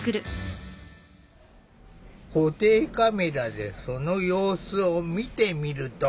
固定カメラでその様子を見てみると。